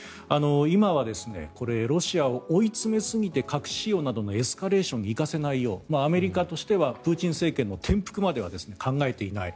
今はロシアを追い詰めすぎて核使用などのエスカレーションに行かせないようアメリカとしてはプーチン政権の転覆までは考えていない。